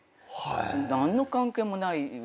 何の関係もない。